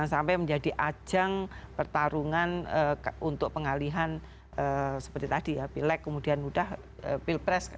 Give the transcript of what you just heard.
sampai menjadi ajang pertarungan untuk pengalihan seperti tadi ya pilek kemudian mudah pilpres